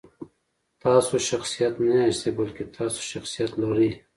تاسو شخصیت نه یاستئ، بلکې تاسو شخصیت لرئ.